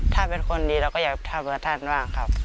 ถ้าเป็นคนดีเราก็อยากทำเพื่อท่านบ้างครับ